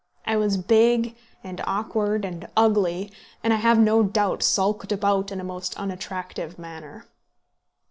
I was big, and awkward, and ugly, and, I have no doubt, skulked about in a most unattractive manner.